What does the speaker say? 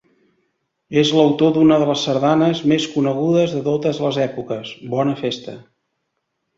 És autor d'una de les sardanes més conegudes de totes les èpoques, Bona Festa.